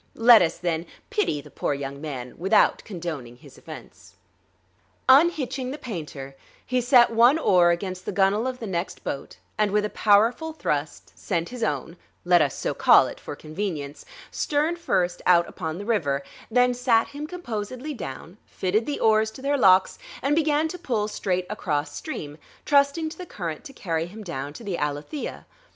Let us, then, pity the poor young man without condoning his offense. Unhitching the painter he set one oar against the gunwale of the next boat, and with a powerful thrust sent his own (let us so call it for convenience) stern first out upon the river; then sat him composedly down, fitted the oars to their locks, and began to pull straight across stream, trusting to the current to carry him down to the Alethea.